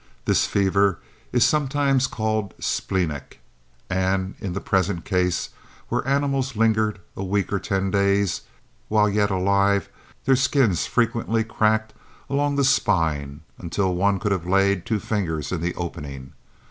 This fever is sometimes called splenic, and in the present case, where animals lingered a week or ten days, while yet alive, their skins frequently cracked along the spine until one could have laid two fingers in the opening.